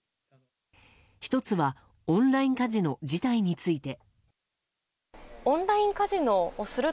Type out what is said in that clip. １つはオンラインカジノ自体について。